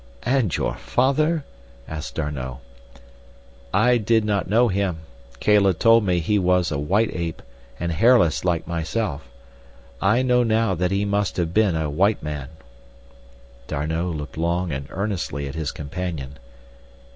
"And your father?" asked D'Arnot. "I did not know him. Kala told me he was a white ape, and hairless like myself. I know now that he must have been a white man." D'Arnot looked long and earnestly at his companion.